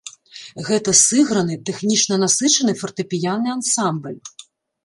Гэта сыграны, тэхнічна насычаны фартэпіянны ансамбль.